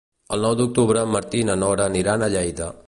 El nou d'octubre en Martí i na Nora aniran a Lleida.